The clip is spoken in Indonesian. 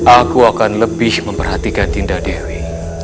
aku akan lebih memperhatikan tindak dewi